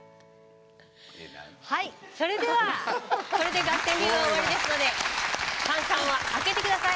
はいそれではこれでガッテン流は終わりですので炭酸は開けて下さい。